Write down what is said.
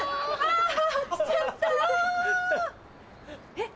えっ？